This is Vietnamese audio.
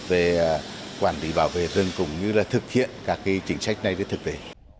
về quản lý bảo vệ rừng cũng như là thực hiện các chính sách này với thực tế